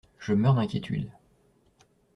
Je meurs d'inquiétude.